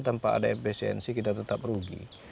tanpa ada efisiensi kita tetap rugi